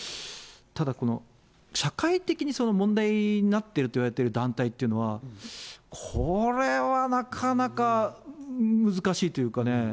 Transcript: ただ社会的に問題になってるといわれてる団体というのは、これはなかなか難しいというかね。